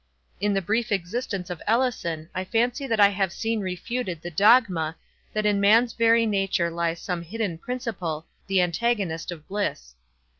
In the brief existence of Ellison I fancy that I have seen refuted the dogma, that in man's very nature lies some hidden principle, the antagonist of bliss.